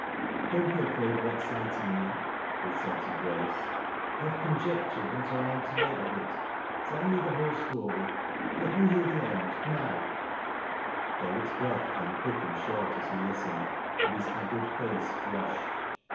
" Don't be afraid of exciting me," he had said to Grace. " I have eonjectui ed until I am tired of it. Tell me the whole story. Let me hear the end nowP Derrick's breath came quick and short as he listened, and his haggard face flushed.